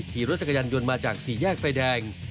ขี่รถจักรยานยนต์มาจากสี่แยกไฟแดง